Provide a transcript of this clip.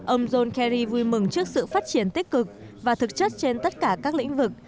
ông john kerry vui mừng trước sự phát triển tích cực và thực chất trên tất cả các lĩnh vực